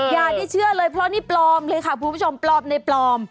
อย่าได้เชื่อเลยเพราะนี่ปลอมเลยค่ะคุณผู้ชมปลอมในปลอม